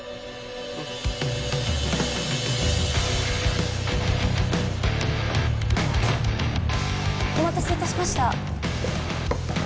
うんお待たせいたしました